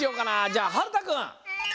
じゃあはるたくん。